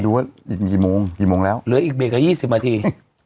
ดูว่าอีกกี่โมงอีกกี่โมงแล้วเหลืออีกเบรกอ่ะยี่สิบนาที